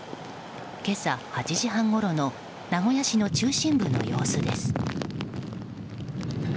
今朝８時半ごろの名古屋市の中心部の様子です。